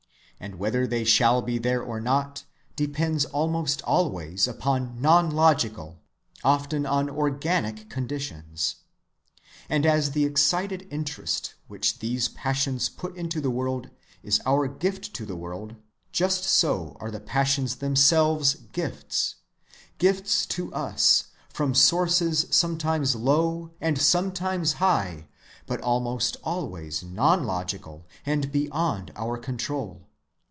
And whether they shall be there or not depends almost always upon non‐logical, often on organic conditions. And as the excited interest which these passions put into the world is our gift to the world, just so are the passions themselves gifts,—gifts to us, from sources sometimes low and sometimes high; but almost always non‐logical and beyond our control.